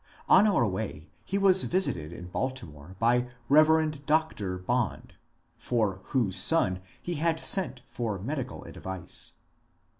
On our way he was visited in Baltimore by Bev. Dr. Bond, for whose son he had sent for medical advice.